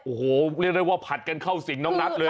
โอ้โหเรียกได้ว่าผัดกันเข้าสิ่งน้องนัทเลย